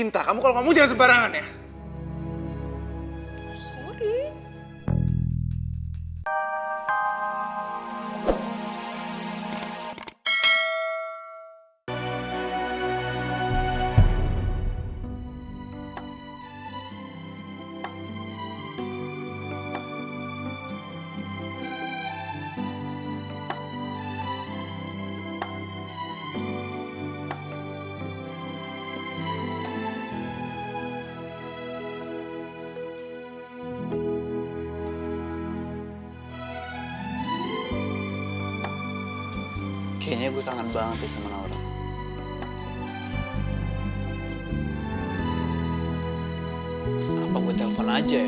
terpintar kalau ganggu gimana